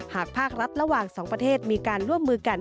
ภาครัฐระหว่างสองประเทศมีการร่วมมือกัน